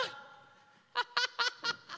ハハハハ！